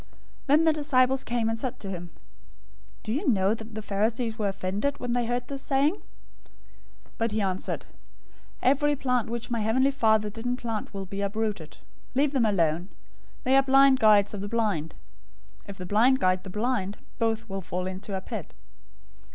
015:012 Then the disciples came, and said to him, "Do you know that the Pharisees were offended, when they heard this saying?" 015:013 But he answered, "Every plant which my heavenly Father didn't plant will be uprooted. 015:014 Leave them alone. They are blind guides of the blind. If the blind guide the blind, both will fall into a pit."